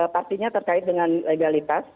pastinya terkait dengan legalitas